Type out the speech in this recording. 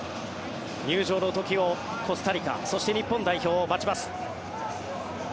入場の時をコスタリカそして日本代表が待ちます。